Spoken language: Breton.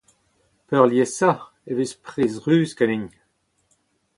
Peurliesañ e vez prez ruz ganin.